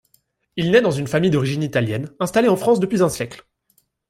Il naît dans une famille d’origine italienne, installée en France depuis un siècle.